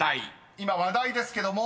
［今話題ですけども。